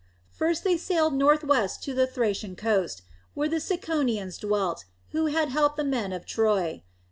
First they sailed northwest to the Thracian coast, where the Ciconians dwelt, who had helped the men of Troy.